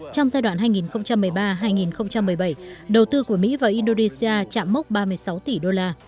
trong giai đoạn hai nghìn một mươi ba hai nghìn một mươi bảy đầu tư của mỹ vào indonesia chạm mốc ba mươi sáu tỷ đô la